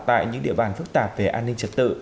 tại những địa bàn phức tạp về an ninh trật tự